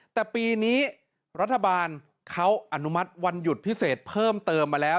แต่ปีนี้รัฐบาลเขาอนุมัติวันหยุดพิเศษเพิ่มเติมมาแล้ว